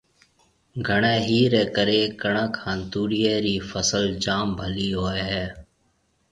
گھڻيَ ھيَََھ رَي ڪرَي ڪڻڪ ھان توريئيَ رِي فصل جام ڀلِي ھوئيَ ھيََََ